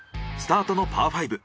スタートのパー